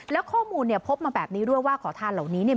แล้วข้อมูลเนี่ยพบมาแบบนี้ด้วยว่าขอทานเหล่านี้เนี่ย